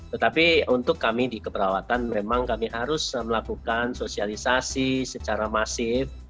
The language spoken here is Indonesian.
tetapi untuk kami di keperawatan memang kami harus melakukan sosialisasi secara masif